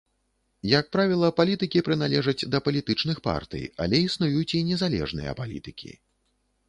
Як правіла, палітыкі прыналежаць да палітычных партый, але існуюць і незалежныя палітыкі.